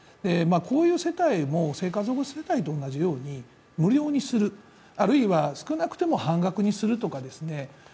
こういう世帯も生活保護世帯と同じように無料にする、あるいは少なくとも半額にするとかですね